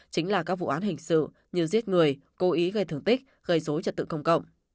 chính là các vụ án hình sự như giết người cố ý gây thương tích gây dối trật tự công cộng